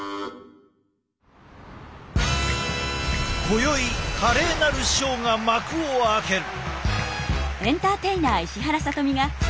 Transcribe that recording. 今宵華麗なるショーが幕を開ける。